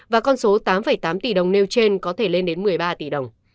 và con số tám tám tỷ đồng nêu trên có thể lên đến một mươi ba tỷ đồng